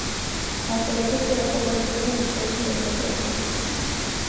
ავტორები კი ახალგაზრდა და ნიჭიერი მწერლები არიან.